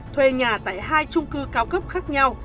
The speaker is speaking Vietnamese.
thuê nhà tại hai trung cư cao cấp khác nhau